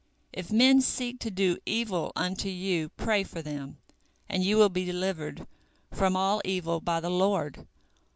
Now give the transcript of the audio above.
If men seek to do evil unto you, pray for them, and you will be delivered from all evil by the Lord.